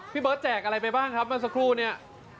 พี่เบิร์ทแจกอะไรไปบ้างครับสักครู่เนี่ย